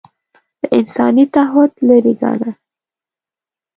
له انساني تعهد لرې ګاڼه